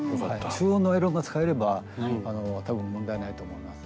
中温のアイロンが使えれば多分問題ないと思います。